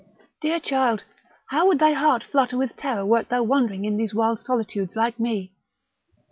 Dear child! how would thy heart flutter with terror wert thou wandering in these wild solitudes like me!"